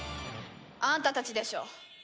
あんたたちでしょ？